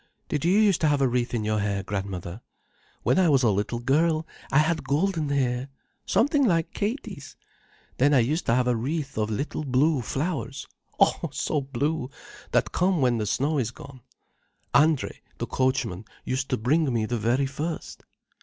"Did you used to have a wreath in your hair, grandmother?" "When I was a little girl, I had golden hair, something like Katie's. Then I used to have a wreath of little blue flowers, oh, so blue, that come when the snow is gone. Andrey, the coachman, used to bring me the very first."